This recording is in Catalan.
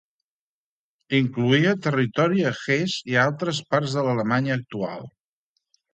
Incloïa territori a Hesse i altres parts de l'Alemanya actual.